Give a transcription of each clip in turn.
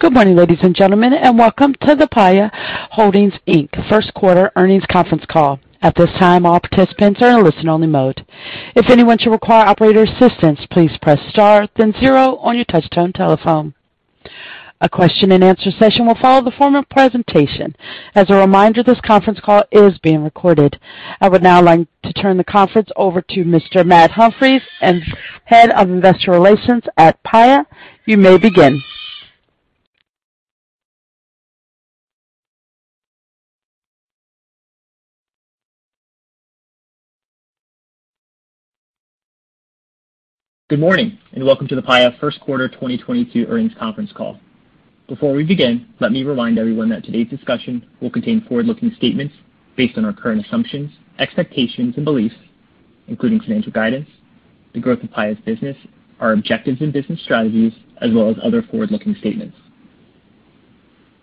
Good morning, ladies and gentlemen, and welcome to the Paya Holdings, Inc. First Quarter Earnings Conference Call. At this time, all participants are in listen-only mode. If anyone should require operator assistance, please press star then zero on your touchtone telephone. A question and answer session will follow the formal presentation. As a reminder, this conference call is being recorded. I would now like to turn the conference over to Mr. Matt Humphries, Head of Investor Relations at Paya. You may begin. Good morning, and welcome to the Paya First Quarter 2022 Earnings Conference Call. Before we begin, let me remind everyone that today's discussion will contain forward-looking statements based on our current assumptions, expectations and beliefs, including financial guidance, the growth of Paya's business, our objectives and business strategies, as well as other forward-looking statements.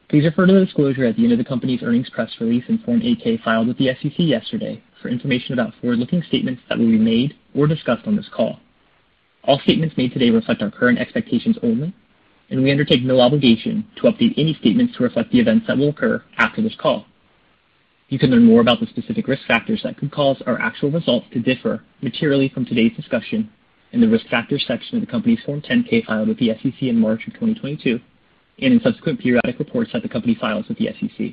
Please refer to the disclosure at the end of the company's earnings press release in Form 8-K filed with the SEC yesterday for information about forward-looking statements that will be made or discussed on this call. All statements made today reflect our current expectations only, and we undertake no obligation to update any statements to reflect the events that will occur after this call. You can learn more about the specific risk factors that could cause our actual results to differ materially from today's discussion in the Risk Factors section of the Company's Form 10-K filed with the SEC in March 2022 and in subsequent periodic reports that the company files with the SEC.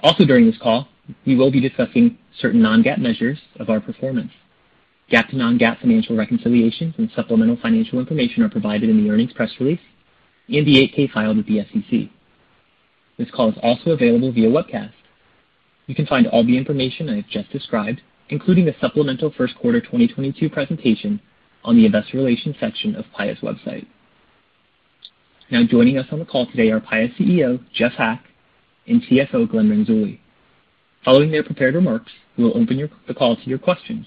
Also during this call, we will be discussing certain non-GAAP measures of our performance. GAAP to non-GAAP financial reconciliations and supplemental financial information are provided in the earnings press release and the 8-K filed with the SEC. This call is also available via webcast. You can find all the information I have just described, including the supplemental first quarter 2022 presentation on the Investor Relations section of Paya's website. Now joining us on the call today are Paya's CEO, Jeff Hack, and CFO Glenn Renzulli. Following their prepared remarks, we will open the call to your questions.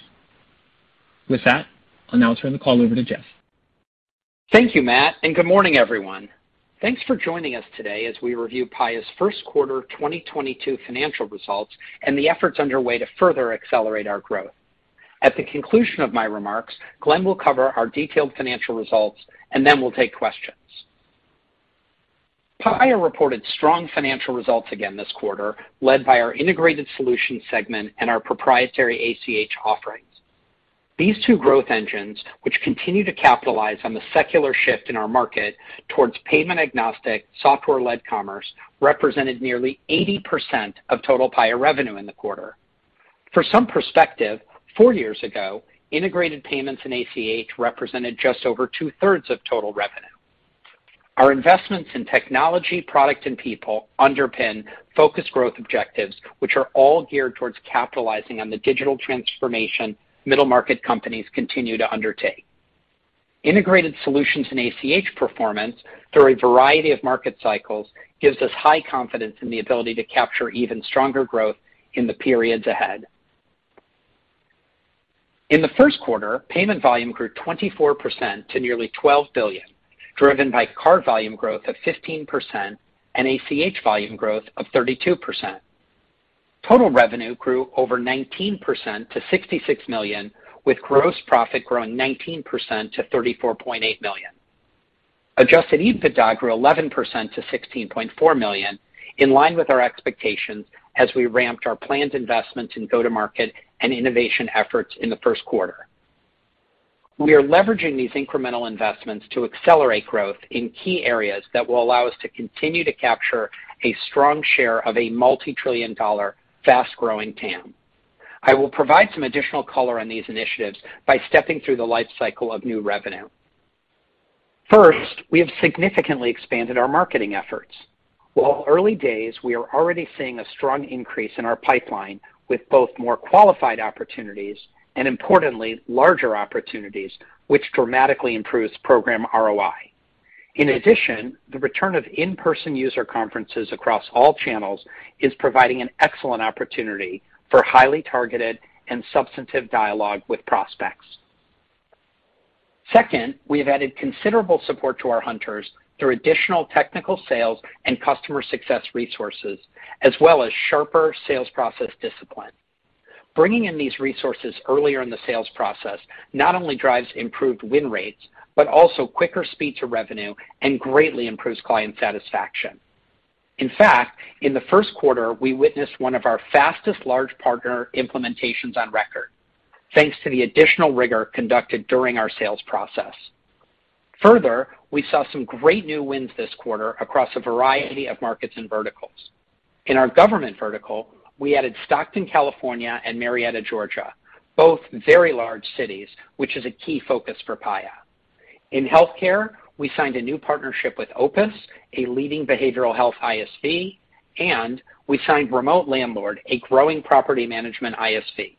With that, I'll now turn the call over to Jeff. Thank you, Matt, and good morning, everyone. Thanks for joining us today as we review Paya's first quarter 2022 financial results and the efforts underway to further accelerate our growth. At the conclusion of my remarks, Glenn will cover our detailed financial results, and then we'll take questions. Paya reported strong financial results again this quarter, led by our integrated solutions segment and our proprietary ACH offerings. These two growth engines, which continue to capitalize on the secular shift in our market towards payment-agnostic, software-led commerce, represented nearly 80% of total Paya revenue in the quarter. For some perspective, four years ago, integrated payments and ACH represented just over 2/3 of total revenue. Our investments in technology, product, and people underpin focused growth objectives, which are all geared towards capitalizing on the digital transformation middle market companies continue to undertake. Integrated solutions and ACH performance through a variety of market cycles gives us high confidence in the ability to capture even stronger growth in the periods ahead. In the first quarter, payment volume grew 24% to nearly $12 billion, driven by card volume growth of 15% and ACH volume growth of 32%. Total revenue grew over 19% to $66 million, with gross profit growing 19% to $34.8 million. Adjusted EBITDA grew 11% to $16.4 million, in line with our expectations as we ramped our planned investments in go-to-market and innovation efforts in the first quarter. We are leveraging these incremental investments to accelerate growth in key areas that will allow us to continue to capture a strong share of a multi-trillion dollar fast-growing TAM. I will provide some additional color on these initiatives by stepping through the life cycle of new revenue. First, we have significantly expanded our marketing efforts. While early days, we are already seeing a strong increase in our pipeline with both more qualified opportunities and, importantly, larger opportunities which dramatically improves program ROI. In addition, the return of in-person user conferences across all channels is providing an excellent opportunity for highly targeted and substantive dialogue with prospects. Second, we have added considerable support to our hunters through additional technical sales and customer success resources, as well as sharper sales process discipline. Bringing in these resources earlier in the sales process not only drives improved win rates, but also quicker speed to revenue and greatly improves client satisfaction. In fact, in the first quarter, we witnessed one of our fastest large partner implementations on record, thanks to the additional rigor conducted during our sales process. Further, we saw some great new wins this quarter across a variety of markets and verticals. In our government vertical, we added Stockton, California, and Marietta, Georgia, both very large cities, which is a key focus for Paya. In healthcare, we signed a new partnership with Opus, a leading behavioral health ISV, and we signed Remote Landlord, a growing property management ISV.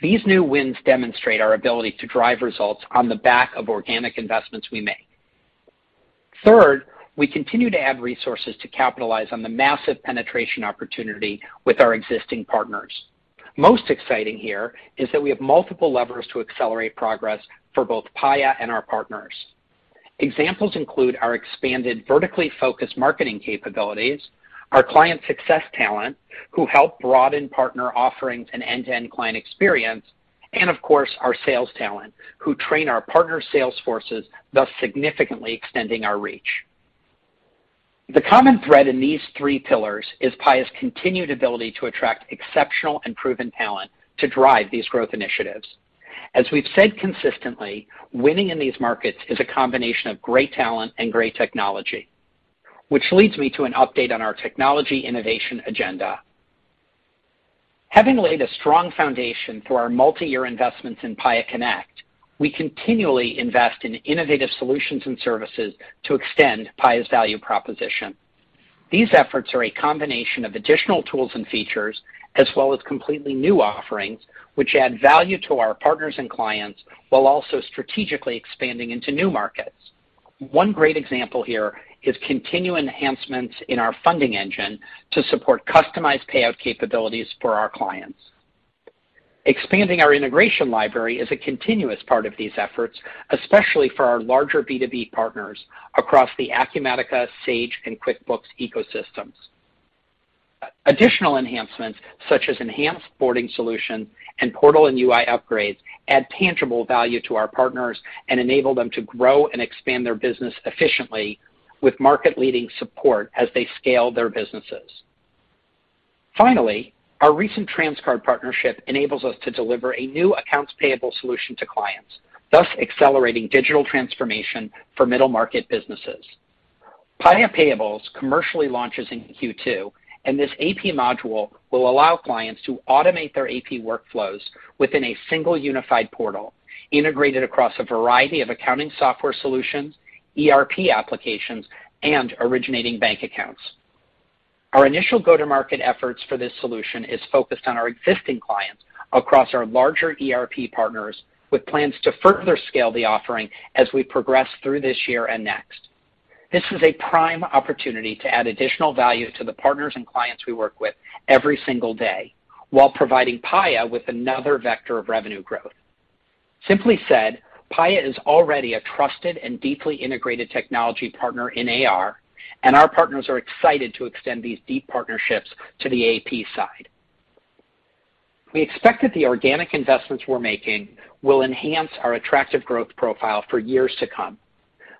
These new wins demonstrate our ability to drive results on the back of organic investments we make. Third, we continue to add resources to capitalize on the massive penetration opportunity with our existing partners. Most exciting here is that we have multiple levers to accelerate progress for both Paya and our partners. Examples include our expanded vertically focused marketing capabilities, our client success talent, who help broaden partner offerings and end-to-end client experience. Of course, our sales talent, who train our partner sales forces, thus significantly extending our reach. The common thread in these three pillars is Paya's continued ability to attract exceptional and proven talent to drive these growth initiatives. As we've said consistently, winning in these markets is a combination of great talent and great technology, which leads me to an update on our technology innovation agenda. Having laid a strong foundation for our multi-year investments in Paya Connect, we continually invest in innovative solutions and services to extend Paya's value proposition. These efforts are a combination of additional tools and features, as well as completely new offerings, which add value to our partners and clients while also strategically expanding into new markets. One great example here is continued enhancements in our funding engine to support customized payout capabilities for our clients. Expanding our integration library is a continuous part of these efforts, especially for our larger B2B partners across the Acumatica, Sage, and QuickBooks ecosystems. Additional enhancements, such as enhanced boarding solutions and portal and UI upgrades, add tangible value to our partners and enable them to grow and expand their business efficiently with market-leading support as they scale their businesses. Finally, our recent Transcard partnership enables us to deliver a new accounts payable solution to clients, thus accelerating digital transformation for middle-market businesses. Paya Payables commercially launches in Q2, and this AP module will allow clients to automate their AP workflows within a single unified portal integrated across a variety of accounting software solutions, ERP applications, and originating bank accounts. Our initial go-to-market efforts for this solution is focused on our existing clients across our larger ERP partners, with plans to further scale the offering as we progress through this year and next. This is a prime opportunity to add additional value to the partners and clients we work with every single day while providing Paya with another vector of revenue growth. Simply said, Paya is already a trusted and deeply integrated technology partner in AR, and our partners are excited to extend these deep partnerships to the AP side. We expect that the organic investments we're making will enhance our attractive growth profile for years to come.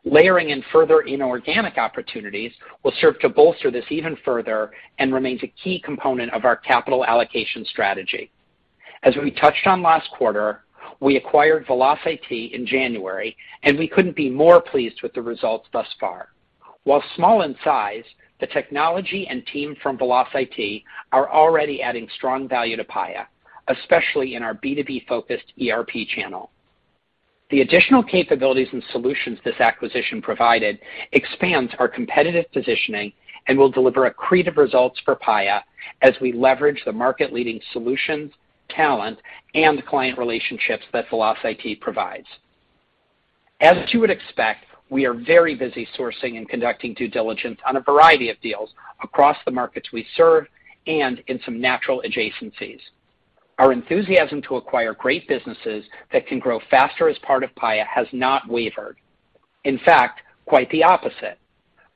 Layering in further inorganic opportunities will serve to bolster this even further and remains a key component of our capital allocation strategy. As we touched on last quarter, we acquired VelocIT in January, and we couldn't be more pleased with the results thus far. While small in size, the technology and team from VelocIT are already adding strong value to Paya, especially in our B2B-focused ERP channel. The additional capabilities and solutions this acquisition provided expands our competitive positioning and will deliver accretive results for Paya as we leverage the market-leading solutions, talent, and client relationships that VelocIT provides. As you would expect, we are very busy sourcing and conducting due diligence on a variety of deals across the markets we serve and in some natural adjacencies. Our enthusiasm to acquire great businesses that can grow faster as part of Paya has not wavered. In fact, quite the opposite.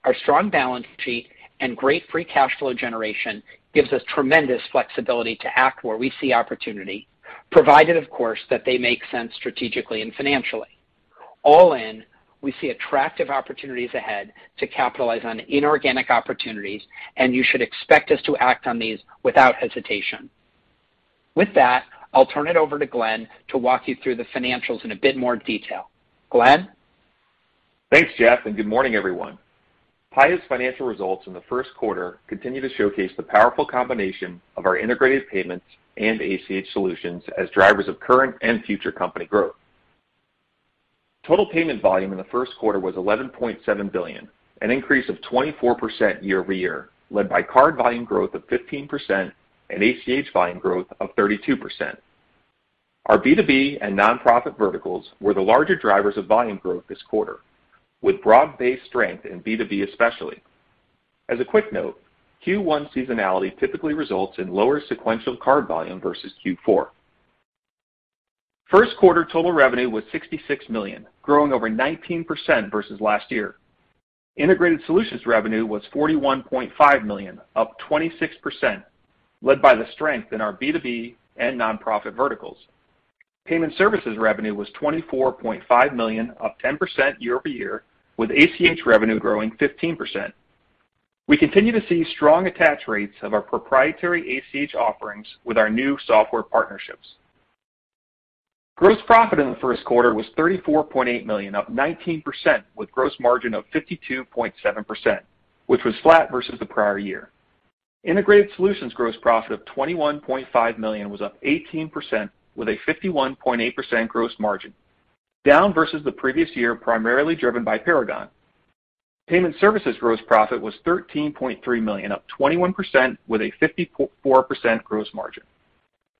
Our strong balance sheet and great free cash flow generation gives us tremendous flexibility to act where we see opportunity, provided, of course, that they make sense strategically and financially. All in, we see attractive opportunities ahead to capitalize on inorganic opportunities, and you should expect us to act on these without hesitation. With that, I'll turn it over to Glenn to walk you through the financials in a bit more detail. Glenn? Thanks, Jeff, and good morning, everyone. Paya's financial results in the first quarter continue to showcase the powerful combination of our integrated payments and ACH solutions as drivers of current and future company growth. Total payment volume in the first quarter was $11.7 billion, an increase of 24% year-over-year, led by card volume growth of 15% and ACH volume growth of 32%. Our B2B and nonprofit verticals were the larger drivers of volume growth this quarter, with broad-based strength in B2B especially. As a quick note, Q1 seasonality typically results in lower sequential card volume versus Q4. First quarter total revenue was $66 million, growing over 19% versus last year. Integrated solutions revenue was $41.5 million, up 26%, led by the strength in our B2B and nonprofit verticals. Payment Services revenue was $24.5 million, up 10% year-over-year, with ACH revenue growing 15%. We continue to see strong attach rates of our proprietary ACH offerings with our new software partnerships. Gross profit in the first quarter was $34.8 million, up 19% with gross margin of 52.7%, which was flat versus the prior year. Integrated Solutions gross profit of $21.5 million was up 18% with a 51.8% gross margin, down versus the previous year primarily driven by Paragon. Payment Services gross profit was $13.3 million, up 21% with a 54% gross margin.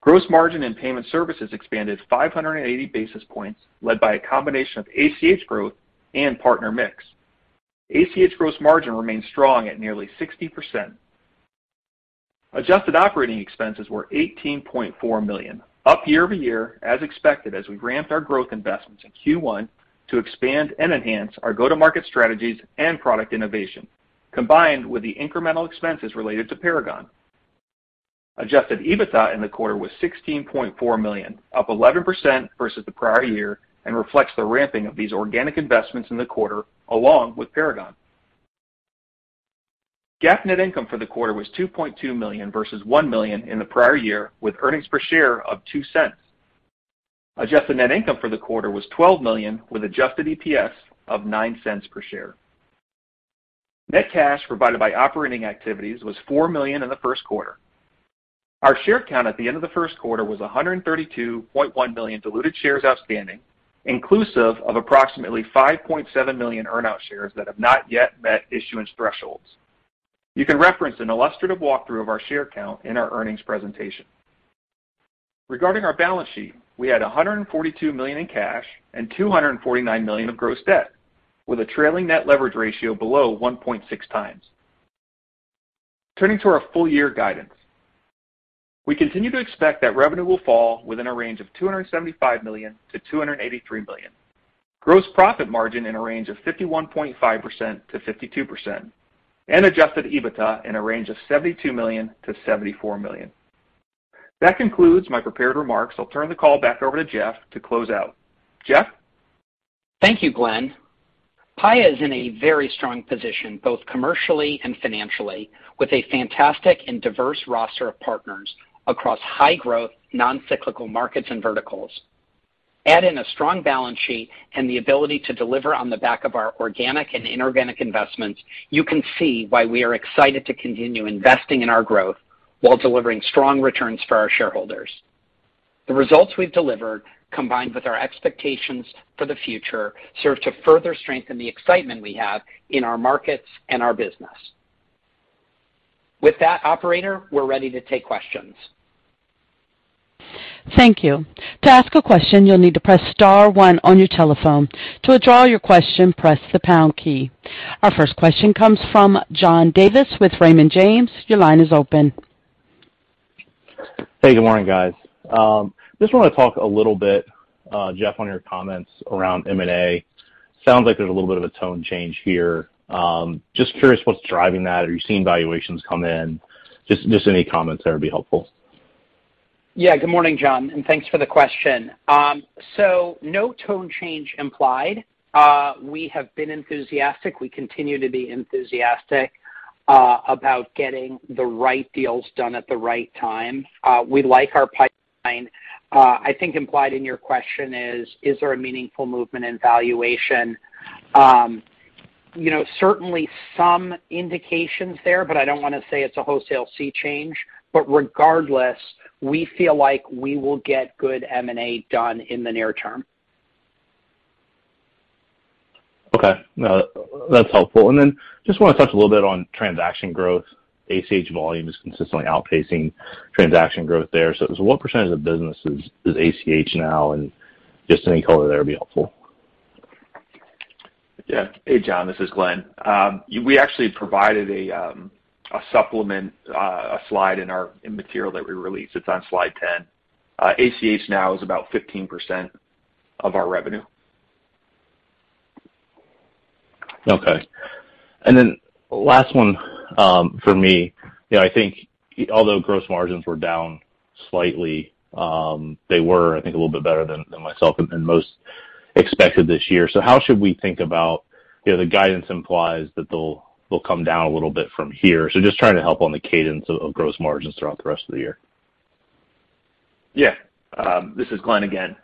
Gross margin in Payment Services expanded 580 basis points led by a combination of ACH growth and partner mix. ACH gross margin remains strong at nearly 60%. Adjusted operating expenses were $18.4 million, up year-over-year as expected as we ramped our growth investments in Q1 to expand and enhance our go-to-market strategies and product innovation, combined with the incremental expenses related to Paragon. Adjusted EBITDA in the quarter was $16.4 million, up 11% versus the prior year and reflects the ramping of these organic investments in the quarter, along with Paragon. GAAP net income for the quarter was $2.2 million versus $1 million in the prior year, with earnings per share of $0.02. Adjusted net income for the quarter was $12 million with adjusted EPS of $0.09 per share. Net cash provided by operating activities was $4 million in the first quarter. Our share count at the end of the first quarter was 132.1 million diluted shares outstanding, inclusive of approximately 5.7 million earn-out shares that have not yet met issuance thresholds. You can reference an illustrative walkthrough of our share count in our earnings presentation. Regarding our balance sheet, we had $142 million in cash and $249 million of gross debt, with a trailing net leverage ratio below 1.6 times. Turning to our full year guidance. We continue to expect that revenue will fall within a range of $275 million-$283 million. Gross profit margin in a range of 51.5%-52%, and adjusted EBITDA in a range of $72 million-$74 million. That concludes my prepared remarks. I'll turn the call back over to Jeff to close out. Jeff? Thank you, Glenn. Paya is in a very strong position, both commercially and financially, with a fantastic and diverse roster of partners across high-growth, non-cyclical markets and verticals. Add in a strong balance sheet and the ability to deliver on the back of our organic and inorganic investments, you can see why we are excited to continue investing in our growth while delivering strong returns for our shareholders. The results we've delivered, combined with our expectations for the future, serve to further strengthen the excitement we have in our markets and our business. With that, operator, we're ready to take questions. Thank you. To ask a question, you'll need to press star one on your telephone. To withdraw your question, press the pound key. Our first question comes from John Davis with Raymond James. Your line is open. Hey, good morning, guys. Just wanna talk a little bit, Jeff, on your comments around M&A. Sounds like there's a little bit of a tone change here. Just curious what's driving that. Are you seeing valuations come in? Just any comments there would be helpful. Yeah. Good morning, John, and thanks for the question. So no tone change implied. We have been enthusiastic. We continue to be enthusiastic about getting the right deals done at the right time. We like our pipeline. I think implied in your question is there a meaningful movement in valuation? You know, certainly some indications there, but I don't wanna say it's a wholesale sea change. Regardless, we feel like we will get good M&A done in the near term. Okay. No, that's helpful. Just wanna touch a little bit on transaction growth. ACH volume is consistently outpacing transaction growth there. What percentage of the business is ACH now? Just any color there would be helpful. Yeah. Hey, John, this is Glenn. We actually provided a supplement, a slide in our material that we released. It's on slide 10. ACH now is about 15% of our revenue. Okay. Last one, for me, you know, I think although gross margins were down slightly, they were, I think, a little bit better than myself and most expected this year. How should we think about, you know, the guidance implies that they'll come down a little bit from here. Just trying to help on the cadence of gross margins throughout the rest of the year. Yeah. This is Glenn again.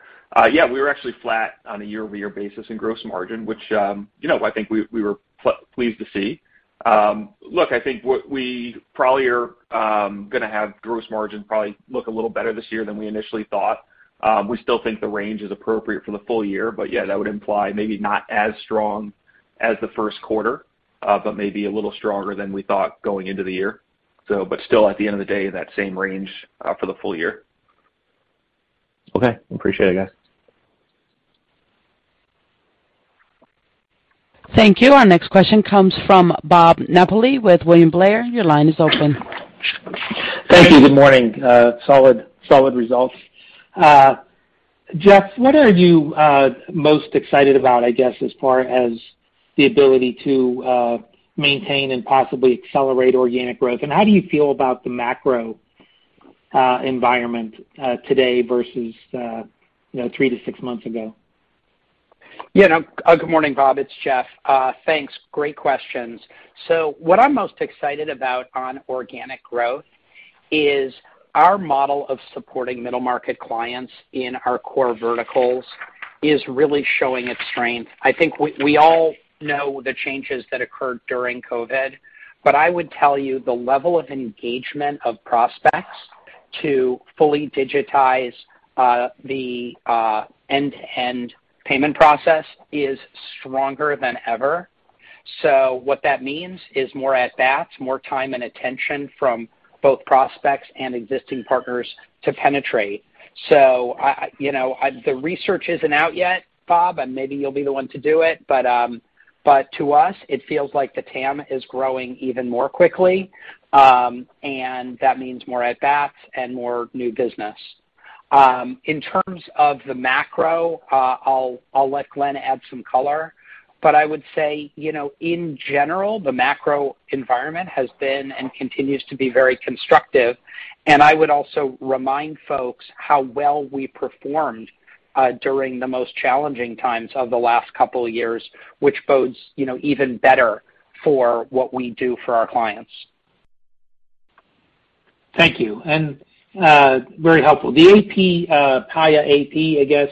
Yeah, we were actually flat on a year-over-year basis in gross margin, which, you know, I think we were pleased to see. Look, I think what we probably are gonna have gross margin probably look a little better this year than we initially thought. We still think the range is appropriate for the full year, but yeah, that would imply maybe not as strong as the first quarter, but maybe a little stronger than we thought going into the year. Still at the end of the day, that same range for the full year. Okay. Appreciate it, guys. Thank you. Our next question comes from Bob Napoli with William Blair. Your line is open. Thank you. Good morning. Solid results. Jeff, what are you most excited about, I guess, as far as the ability to maintain and possibly accelerate organic growth? How do you feel about the macro environment today versus, you know, three to six months ago? Yeah, no. Good morning, Bob. It's Jeff. Thanks. Great questions. What I'm most excited about on organic growth is our model of supporting middle market clients in our core verticals is really showing its strength. I think we all know the changes that occurred during COVID, but I would tell you, the level of engagement of prospects to fully digitize the end-to-end payment process is stronger than ever. What that means is more at bats, more time and attention from both prospects and existing partners to penetrate. I you know, the research isn't out yet, Bob, and maybe you'll be the one to do it. To us, it feels like the TAM is growing even more quickly, and that means more at bats and more new business. In terms of the macro, I'll let Glenn add some color. I would say, you know, in general, the macro environment has been and continues to be very constructive. I would also remind folks how well we performed during the most challenging times of the last couple of years, which bodes, you know, even better for what we do for our clients. Thank you. Very helpful. The AP, Paya AP, I guess,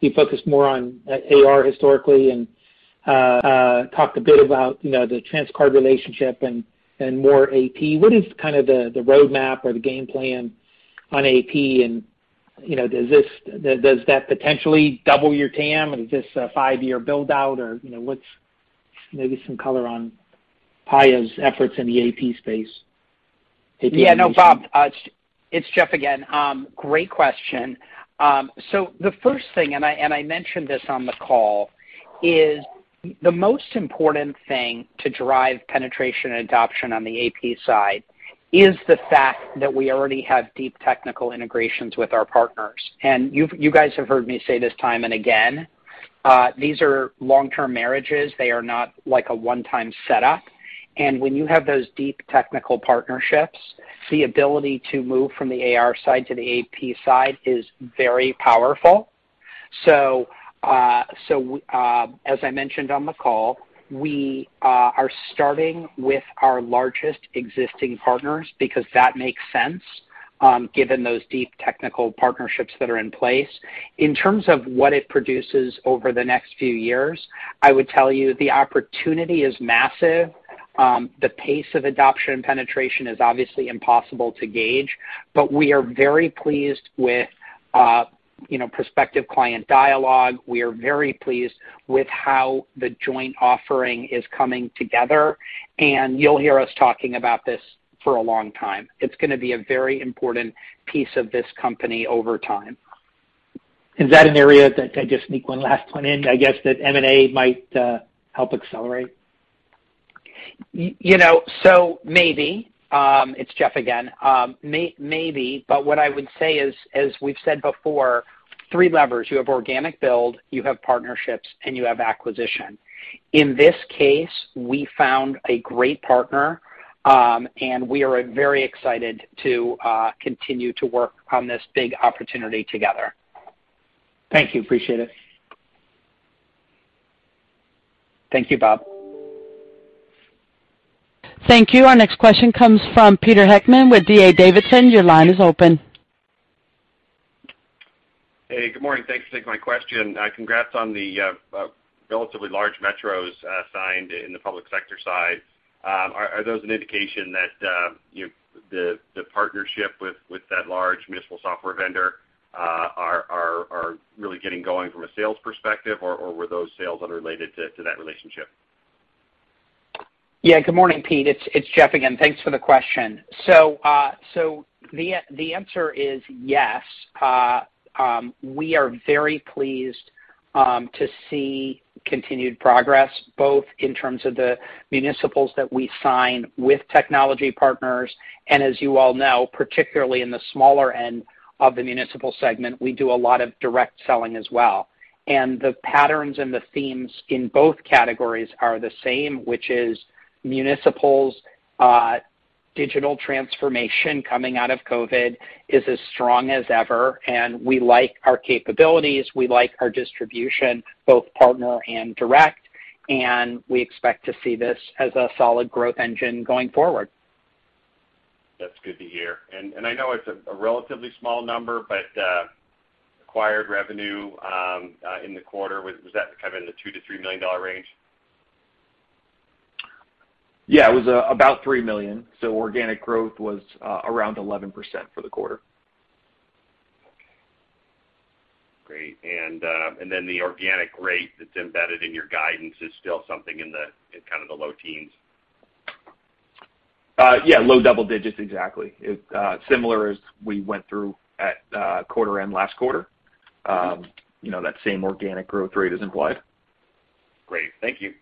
you focus more on AR historically and talked a bit about, you know, the Transcard relationship and more AP. What is kind of the roadmap or the game plan on AP? You know, does that potentially double your TAM? Is this a five-year build-out? Or, you know, what's maybe some color on Paya's efforts in the AP space? Yeah, no, Bob, it's Jeff again. Great question. So the first thing, and I mentioned this on the call, is the most important thing to drive penetration and adoption on the AP side is the fact that we already have deep technical integrations with our partners. You guys have heard me say this time and again, these are long-term marriages. They are not like a one-time setup. When you have those deep technical partnerships, the ability to move from the AR side to the AP side is very powerful. So, as I mentioned on the call, we are starting with our largest existing partners because that makes sense, given those deep technical partnerships that are in place. In terms of what it produces over the next few years, I would tell you the opportunity is massive. The pace of adoption and penetration is obviously impossible to gauge. We are very pleased with, you know, prospective client dialogue. We are very pleased with how the joint offering is coming together, and you'll hear us talking about this for a long time. It's gonna be a very important piece of this company over time. Is that an area that I just sneak one last one in, I guess, that M&A might help accelerate? You know, maybe. It's Jeff again. Maybe. What I would say is, as we've said before, three levers, you have organic build, you have partnerships, and you have acquisition. In this case, we found a great partner, and we are very excited to continue to work on this big opportunity together. Thank you. Appreciate it. Thank you, Bob. Thank you. Our next question comes from Peter Heckmann with D.A. Davidson. Your line is open. Hey, good morning. Thanks for taking my question. Congrats on the relatively large metros signed in the public sector side. Are those an indication that the partnership with that large municipal software vendor are really getting going from a sales perspective, or were those sales unrelated to that relationship? Yeah. Good morning, Peter. It's Jeff again. Thanks for the question. The answer is yes. We are very pleased to see continued progress, both in terms of the municipals that we sign with technology partners, and as you all know, particularly in the smaller end of the municipal segment, we do a lot of direct selling as well. The patterns and the themes in both categories are the same, which is municipals' digital transformation coming out of COVID is as strong as ever, and we like our capabilities, we like our distribution, both partner and direct, and we expect to see this as a solid growth engine going forward. That's good to hear. I know it's a relatively small number, but acquired revenue in the quarter was that kind of in the $2-$3 million range? Yeah, it was about $3 million. Organic growth was around 11% for the quarter. Okay. Great. The organic rate that's embedded in your guidance is still something in kind of the low teens? Yeah, low double digits%, exactly. It's similar as we went through at quarter end last quarter. You know, that same organic growth rate is implied. Great. Thank you.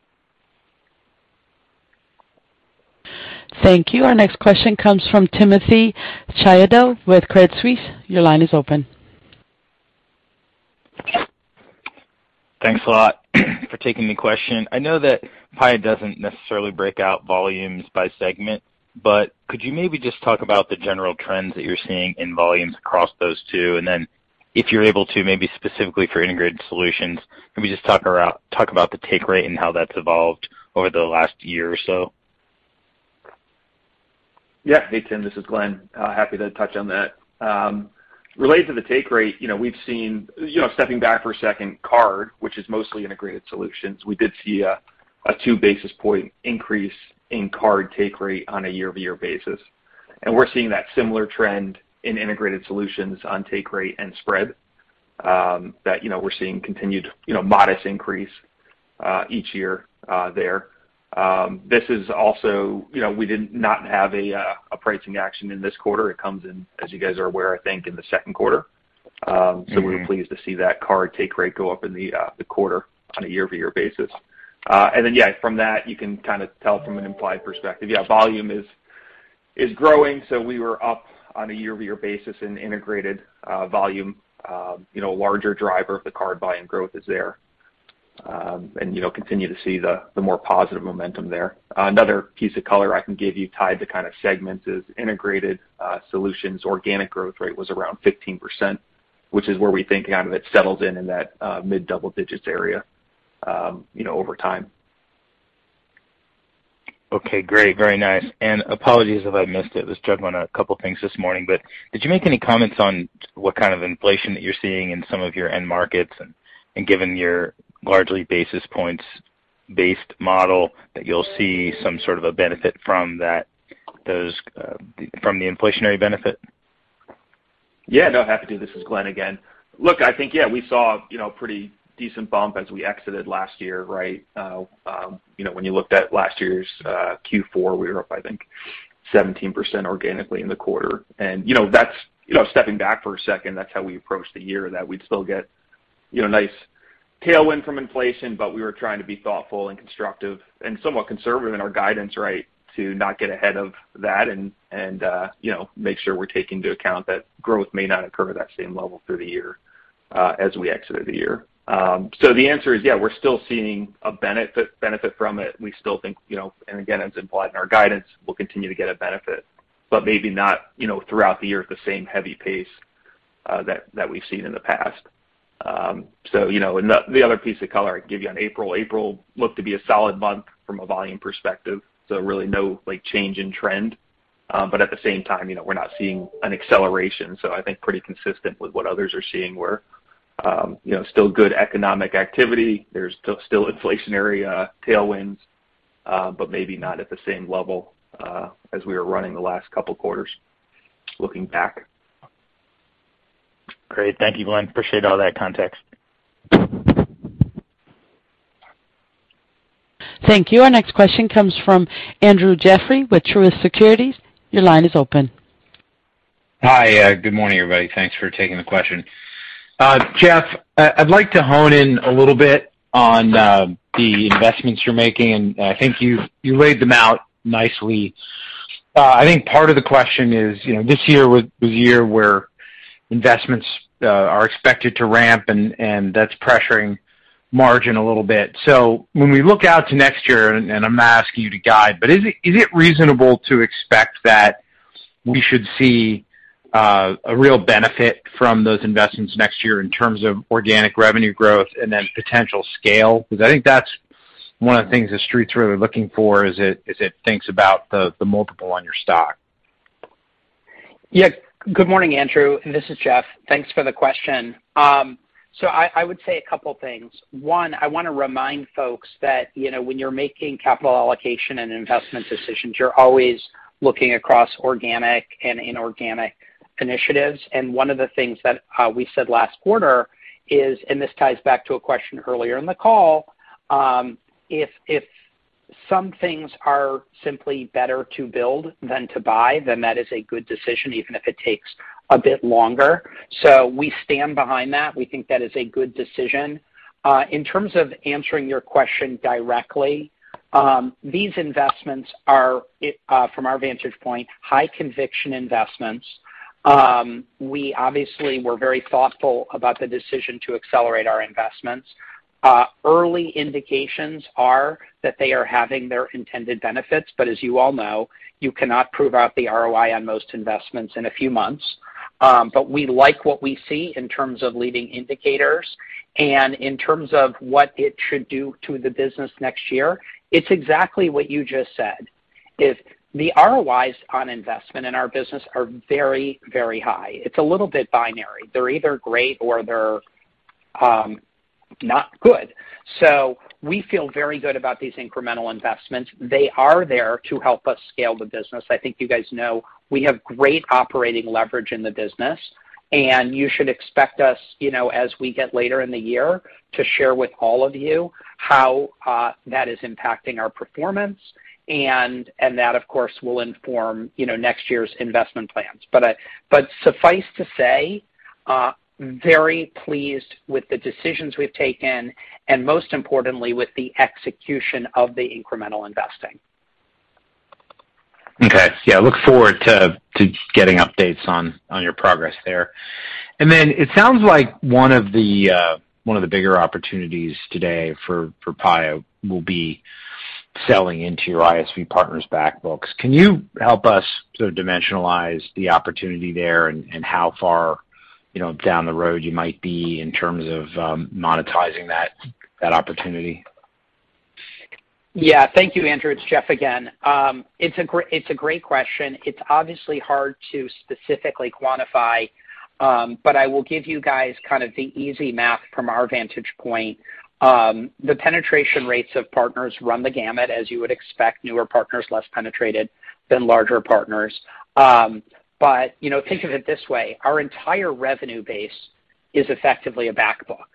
Thank you. Our next question comes from Timothy Chiodo with Credit Suisse. Your line is open. Thanks a lot for taking the question. I know that Paya doesn't necessarily break out volumes by segment, but could you maybe just talk about the general trends that you're seeing in volumes across those two? If you're able to, maybe specifically for integrated solutions, can we just talk about the take rate and how that's evolved over the last year or so? Yeah. Hey, Tim, this is Glenn. Happy to touch on that. Related to the take rate, you know, we've seen, you know, stepping back for a second, card, which is mostly integrated solutions, we did see a 2 basis points increase in card take rate on a year-over-year basis. We're seeing that similar trend in integrated solutions on take rate and spread, that, you know, we're seeing continued, you know, modest increase each year there. This is also, you know, we did not have a pricing action in this quarter. It comes in, as you guys are aware, I think, in the second quarter. We were pleased to see that card take rate go up in the quarter on a year-over-year basis. From that, you can kind of tell from an implied perspective, volume is growing. We were up on a year-over-year basis in integrated volume, you know, larger driver of the card buy and growth is there. You know, continue to see the more positive momentum there. Another piece of color I can give you tied to kind of segments is Integrated Solutions organic growth rate was around 15%, which is where we think kind of it settles in in that mid-double digits area, you know, over time. Okay, great. Very nice. Apologies if I missed it. Was juggling a couple things this morning, but did you make any comments on what kind of inflation that you're seeing in some of your end markets and given your largely basis points based model that you'll see some sort of a benefit from the inflationary benefit? Yeah. No, happy to. This is Glenn again. Look, I think, yeah, we saw, you know, pretty decent bump as we exited last year, right? You know, when you looked at last year's Q4, we were up, I think, 17% organically in the quarter. You know, that's, you know, stepping back for a second, that's how we approached the year, that we'd still get, you know, nice tailwind from inflation, but we were trying to be thoughtful and constructive and somewhat conservative in our guidance, right, to not get ahead of that and you know, make sure we're taking into account that growth may not occur at that same level through the year as we exited the year. The answer is, yeah, we're still seeing a benefit from it. We still think, you know, and again, as implied in our guidance, we'll continue to get a benefit, but maybe not, you know, throughout the year at the same heavy pace that we've seen in the past. The other piece of color I can give you on April. April looked to be a solid month from a volume perspective, so really no, like, change in trend. At the same time, you know, we're not seeing an acceleration. I think pretty consistent with what others are seeing where, you know, still good economic activity. There's still inflationary tailwinds, but maybe not at the same level as we were running the last couple quarters looking back. Great. Thank you, Glenn. Appreciate all that context. Thank you. Our next question comes from Andrew Jeffrey with Truist Securities. Your line is open. Hi. Good morning, everybody. Thanks for taking the question. Jeff, I'd like to hone in a little bit on the investments you're making, and I think you've laid them out nicely. I think part of the question is, you know, this year was a year where investments are expected to ramp and that's pressuring margin a little bit. When we look out to next year, and I'm asking you to guide, but is it reasonable to expect that we should see a real benefit from those investments next year in terms of organic revenue growth and then potential scale? Because I think that's one of the things the streets are really looking for as it thinks about the multiple on your stock. Yeah. Good morning, Andrew Jeffrey. This is Jeff Hack. Thanks for the question. I would say a couple things. One, I wanna remind folks that, you know, when you're making capital allocation and investment decisions, you're always looking across organic and inorganic initiatives. One of the things that we said last quarter is this ties back to a question earlier in the call, if some things are simply better to build than to buy, then that is a good decision, even if it takes a bit longer. We stand behind that. We think that is a good decision. In terms of answering your question directly, these investments are from our vantage point, high conviction investments. We obviously were very thoughtful about the decision to accelerate our investments. Early indications are that they are having their intended benefits, but as you all know, you cannot prove out the ROI on most investments in a few months. We like what we see in terms of leading indicators and in terms of what it should do to the business next year. It's exactly what you just said. If the ROIs on investment in our business are very, very high, it's a little bit binary. They're either great or they're not good. We feel very good about these incremental investments. They are there to help us scale the business. I think you guys know we have great operating leverage in the business, and you should expect us, you know, as we get later in the year, to share with all of you how that is impacting our performance, and that, of course, will inform, you know, next year's investment plans. Suffice to say, very pleased with the decisions we've taken and most importantly, with the execution of the incremental investing. Okay. Yeah. Look forward to getting updates on your progress there. Then it sounds like one of the bigger opportunities today for Paya will be selling into your ISV partners back books. Can you help us sort of dimensionalize the opportunity there and how far, you know, down the road you might be in terms of monetizing that opportunity? Yeah. Thank you, Andrew. It's Jeff again. It's a great question. It's obviously hard to specifically quantify, but I will give you guys kind of the easy math from our vantage point. The penetration rates of partners run the gamut, as you would expect. Newer partners, less penetrated than larger partners. You know, think of it this way. Our entire revenue base is effectively a back book.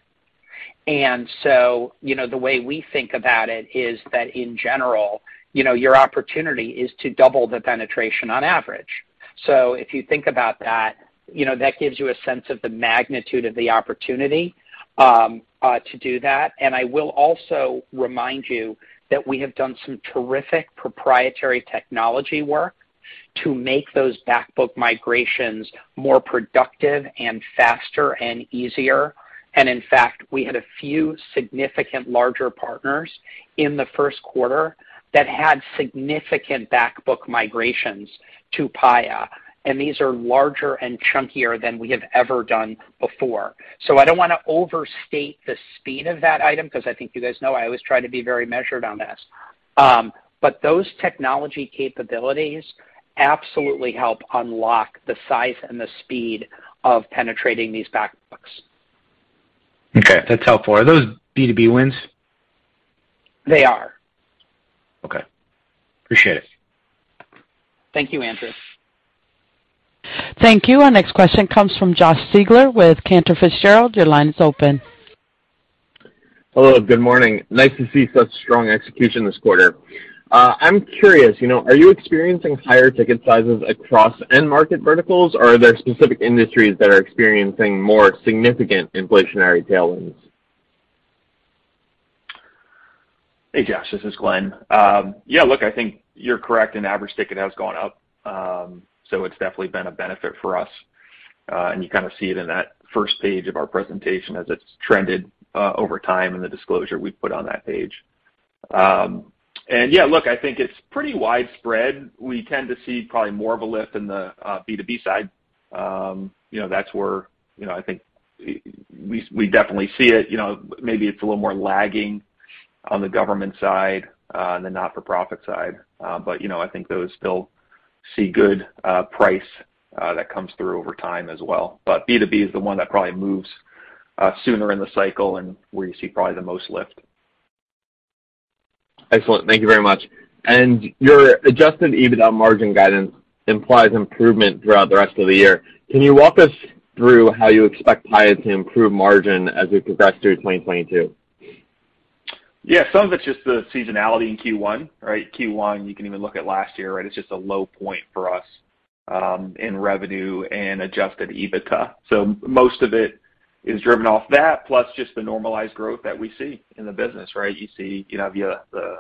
You know, the way we think about it is that in general, you know, your opportunity is to double the penetration on average. If you think about that, you know, that gives you a sense of the magnitude of the opportunity, to do that. I will also remind you that we have done some terrific proprietary technology work to make those back book migrations more productive and faster and easier. In fact, we had a few significant larger partners in the first quarter that had significant back-book migrations to Paya, and these are larger and chunkier than we have ever done before. I don't wanna overstate the speed of that item because I think you guys know I always try to be very measured on this. Those technology capabilities absolutely help unlock the size and the speed of penetrating these back books. Okay. That's helpful. Are those B2B wins? They are. Okay. Appreciate it. Thank you, Andrew. Thank you. Our next question comes from Josh Siegler with Cantor Fitzgerald. Your line is open. Hello, good morning. Nice to see such strong execution this quarter. I'm curious, you know, are you experiencing higher ticket sizes across end market verticals, or are there specific industries that are experiencing more significant inflationary tailwinds? Hey, Josh, this is Glenn. I think you're correct, and average ticket has gone up. It's definitely been a benefit for us, and you kinda see it in that first page of our presentation as it's trended over time in the disclosure we put on that page. I think it's pretty widespread. We tend to see probably more of a lift in the B2B side. You know, that's where you know, I think we definitely see it, you know. Maybe it's a little more lagging on the government side than not-for-profit side. You know, I think those still see good price that comes through over time as well. B2B is the one that probably moves sooner in the cycle and where you see probably the most lift. Excellent. Thank you very much. Your Adjusted EBITDA margin guidance implies improvement throughout the rest of the year. Can you walk us through how you expect Paya to improve margin as we progress through 2022? Yeah, some of it's just the seasonality in Q1, right? Q1, you can even look at last year, right? It's just a low point for us in revenue and adjusted EBITDA. Most of it is driven off that, plus just the normalized growth that we see in the business, right? You see, you know, via the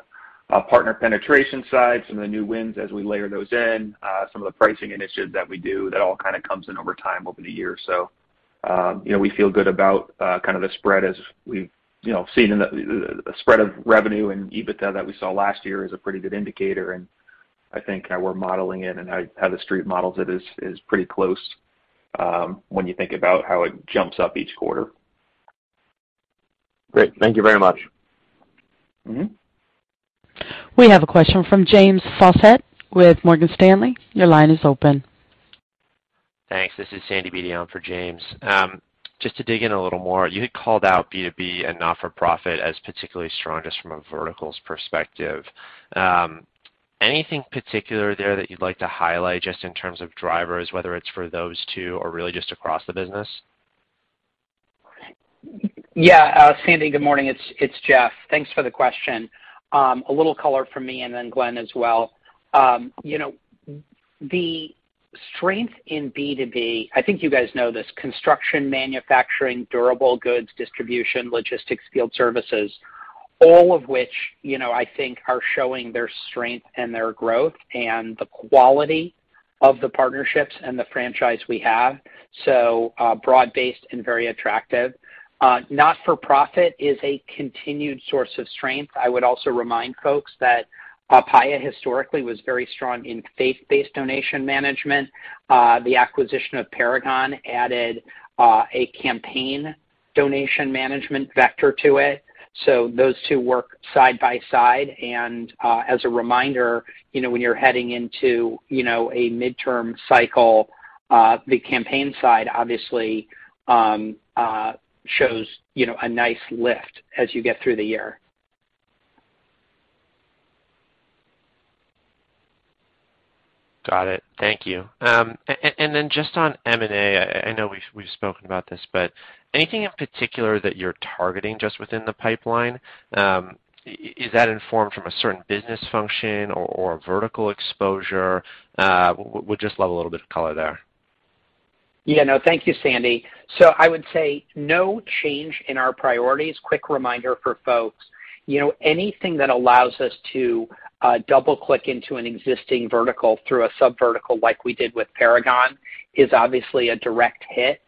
partner penetration side, some of the new wins as we layer those in, some of the pricing initiatives that we do that all kinda comes in over time over the year. You know, we feel good about kind of the spread as we've, you know, seen in the spread of revenue and EBITDA that we saw last year is a pretty good indicator, and I think how we're modeling it and how the street models it is pretty close, when you think about how it jumps up each quarter. Great. Thank you very much. Mm-hmm. We have a question from James Faucette with Morgan Stanley. Your line is open. Thanks. This is Sanjay Sakhrani for James. Just to dig in a little more, you had called out B2B and not-for-profit as particularly strongest from a verticals perspective. Anything particular there that you'd like to highlight just in terms of drivers, whether it's for those two or really just across the business? Yeah. Sanjay, good morning. It's Jeff. Thanks for the question. A little color from me and then Glenn as well. You know, the strength in B2B, I think you guys know this, construction, manufacturing, durable goods, distribution, logistics, field services, all of which, you know, I think are showing their strength and their growth and the quality of the partnerships and the franchise we have, so broad-based and very attractive. Not-for-profit is a continued source of strength. I would also remind folks that Paya historically was very strong in faith-based donation management. The acquisition of Paragon added a campaign donation management vector to it, so those two work side by side. As a reminder, you know, when you're heading into, you know, a midterm cycle, the campaign side obviously shows, you know, a nice lift as you get through the year. Got it. Thank you. Just on M&A, I know we've spoken about this, but anything in particular that you're targeting just within the pipeline? Is that informed from a certain business function or a vertical exposure? We'd just love a little bit of color there. Yeah, no. Thank you, Sanjay. I would say no change in our priorities. Quick reminder for folks, you know, anything that allows us to double-click into an existing vertical through a sub-vertical like we did with Paragon is obviously a direct hit.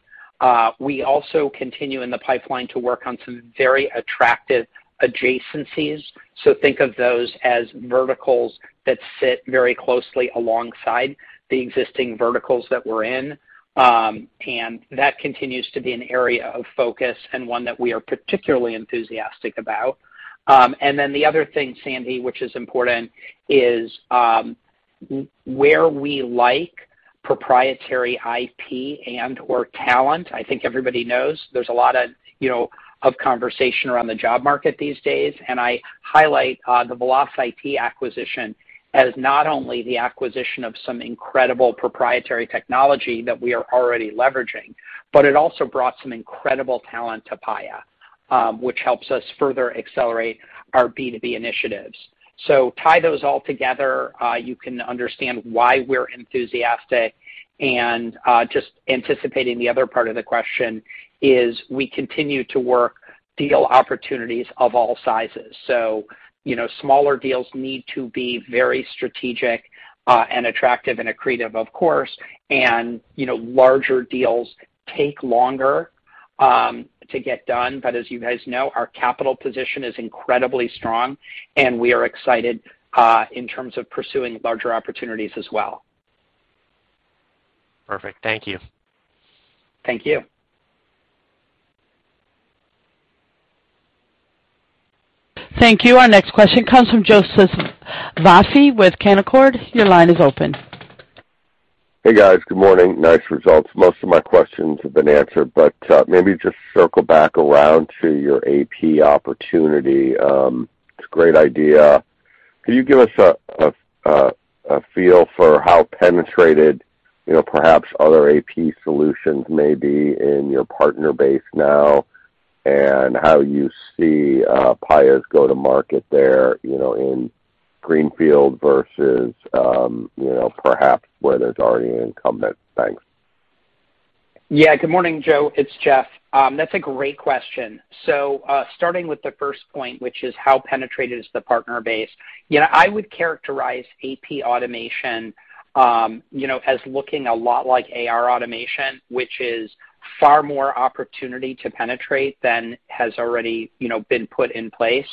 We also continue in the pipeline to work on some very attractive adjacencies. Think of those as verticals that sit very closely alongside the existing verticals that we're in. That continues to be an area of focus and one that we are particularly enthusiastic about. The other thing, Sanjay, which is important, is where we like proprietary IP and/or talent. I think everybody knows there's a lot of, you know, conversation around the job market these days. I highlight the VelocIT acquisition as not only the acquisition of some incredible proprietary technology that we are already leveraging, but it also brought some incredible talent to Paya, which helps us further accelerate our B2B initiatives. Tie those all together, you can understand why we're enthusiastic. Just anticipating the other part of the question is we continue to work deal opportunities of all sizes. You know, smaller deals need to be very strategic, and attractive and accretive, of course, and, you know, larger deals take longer to get done. As you guys know, our capital position is incredibly strong, and we are excited in terms of pursuing larger opportunities as well. Perfect. Thank you. Thank you. Thank you. Our next question comes from Joseph Vafi with Canaccord Genuity. Your line is open. Hey, guys. Good morning. Nice results. Most of my questions have been answered, but maybe just circle back around to your AP opportunity. It's a great idea. Can you give us a feel for how penetrated, you know, perhaps other AP solutions may be in your partner base now, and how you see Paya's go-to-market there, you know, in greenfield versus perhaps where there's already incumbent banks. Yeah. Good morning, Joe. It's Jeff. That's a great question. Starting with the first point, which is how penetrated is the partner base. You know, I would characterize AP automation, you know, as looking a lot like AR automation, which is far more opportunity to penetrate than has already, you know, been put in place.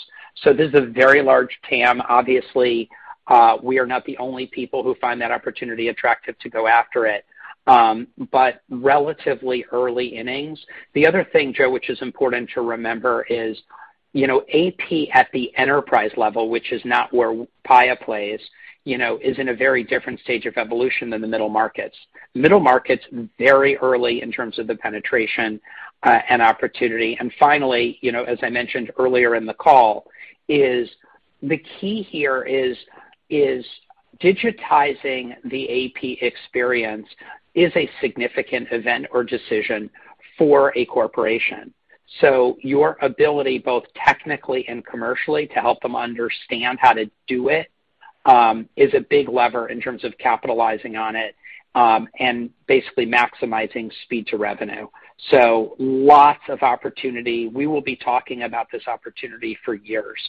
This is a very large TAM. Obviously, we are not the only people who find that opportunity attractive to go after it. Relatively early innings. The other thing, Joe, which is important to remember is, you know, AP at the enterprise level, which is not where Paya plays, you know, is in a very different stage of evolution than the middle markets. Middle markets, very early in terms of the penetration and opportunity. Finally, you know, as I mentioned earlier in the call, the key here is digitizing the AP experience is a significant event or decision for a corporation. Your ability, both technically and commercially, to help them understand how to do it, is a big lever in terms of capitalizing on it, and basically maximizing speed to revenue. Lots of opportunity. We will be talking about this opportunity for years,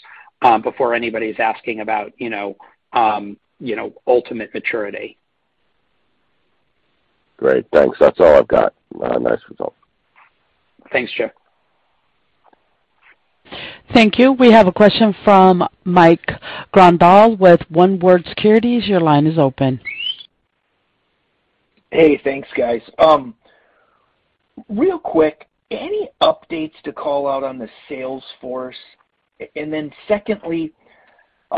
before anybody's asking about, you know, ultimate maturity. Great. Thanks. That's all I've got. Nice result. Thanks, Joe. Thank you. We have a question from Mike Grondahl with Northland Securities. Your line is open. Hey. Thanks, guys. Real quick, any updates to call out on the sales force? Secondly,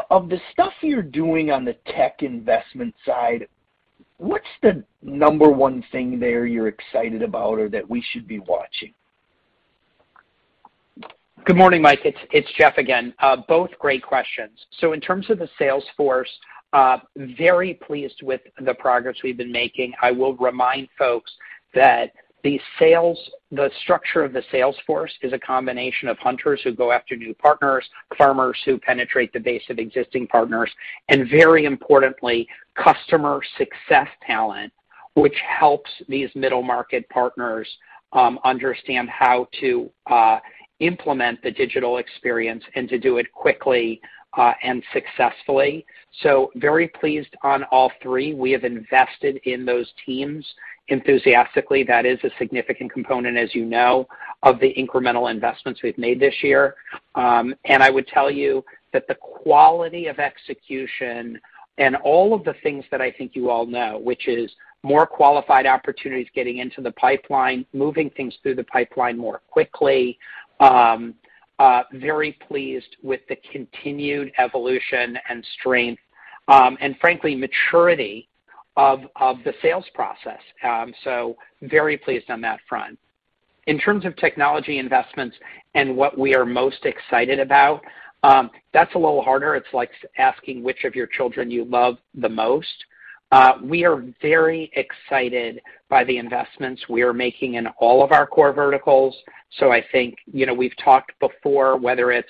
of the stuff you're doing on the tech investment side, what's the number one thing there you're excited about or that we should be watching? Good morning, Mike. It's Jeff again. Both great questions. In terms of the sales force, very pleased with the progress we've been making. I will remind folks that the structure of the sales force is a combination of hunters who go after new partners, farmers who penetrate the base of existing partners, and very importantly, customer success talent, which helps these middle market partners understand how to implement the digital experience and to do it quickly and successfully. Very pleased on all three. We have invested in those teams enthusiastically. That is a significant component, as you know, of the incremental investments we've made this year. I would tell you that the quality of execution and all of the things that I think you all know, which is more qualified opportunities getting into the pipeline, moving things through the pipeline more quickly, very pleased with the continued evolution and strength, and frankly, maturity of the sales process. Very pleased on that front. In terms of technology investments and what we are most excited about, that's a little harder. It's like asking which of your children you love the most. We are very excited by the investments we are making in all of our core verticals. I think, you know, we've talked before whether it's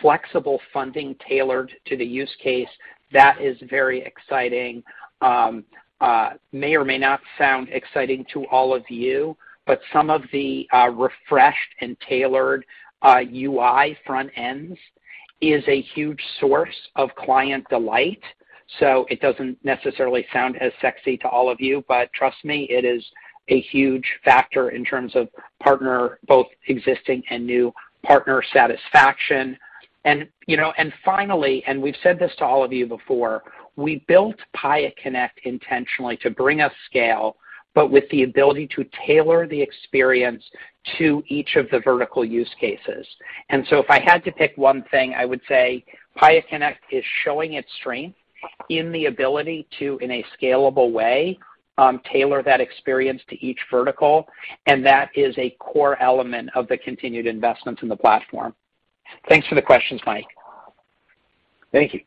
flexible funding tailored to the use case. That is very exciting. May or may not sound exciting to all of you, but some of the refreshed and tailored UI front ends is a huge source of client delight. It doesn't necessarily sound as sexy to all of you, but trust me, it is a huge factor in terms of partner, both existing and new partner satisfaction. You know, finally, we've said this to all of you before, we built Paya Connect intentionally to bring us scale, but with the ability to tailor the experience to each of the vertical use cases. If I had to pick one thing, I would say Paya Connect is showing its strength in the ability to, in a scalable way, tailor that experience to each vertical, and that is a core element of the continued investment in the platform. Thanks for the questions, Mike. Thank you.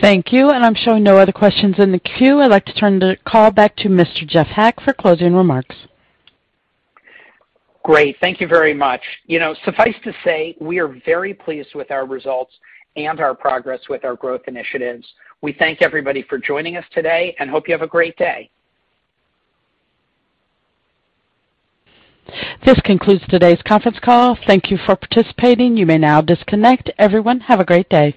Thank you. I'm showing no other questions in the queue. I'd like to turn the call back to Mr. Jeff Hack for closing remarks. Great. Thank you very much. You know, suffice to say, we are very pleased with our results and our progress with our growth initiatives. We thank everybody for joining us today and hope you have a great day. This concludes today's conference call. Thank you for participating. You may now disconnect. Everyone, have a great day.